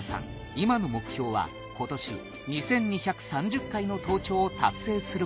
今の目標は今年２２３０回の登頂を達成することです